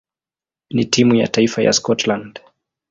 na timu ya taifa ya Scotland.